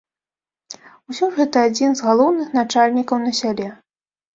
Усё ж гэта адзін з галоўных начальнікаў на сяле.